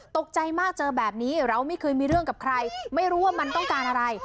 ตกใจมากเจอแบบนี้เราไม่เคยมีเรื่องกับใครไม่รู้ว่ามันต้องการอะไร